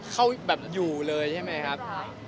เข้าอยู่เลยใช่มั้ยครับ